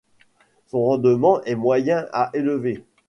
Son rendement est moyen à élevé.